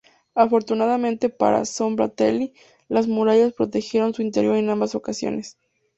Afortunadamente para Szombathely, las murallas protegieron su interior en ambas ocasiones.